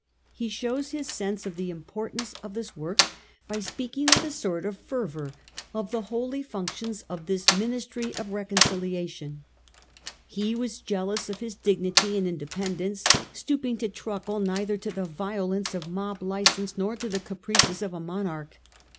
He shows his sense of the importance CH. VIII. The Literary Currents of the Age. 177 of this work by speaking with a sort of fervour of the ho^y functions of this ministry of reconciliation. He was jealous of his dignity and independence, stooping to truckle neither to the violence of mob licence nor to the caprices of a monarch.